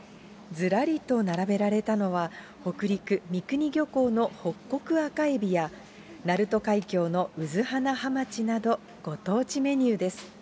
ずらりと並べられたのは、北陸・みくに漁港のホッコク赤エビや、鳴門海峡のうずはなハマチなど、ご当地メニューです。